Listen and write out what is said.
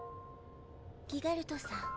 ギガルトさん？